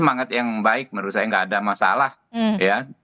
semangat yang baik menurut saya nggak ada masalah ya